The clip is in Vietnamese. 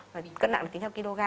cân nặng là tính theo kg